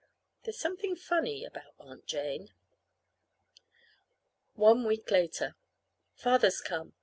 There's something funny about Aunt Jane. One week later. Father's come.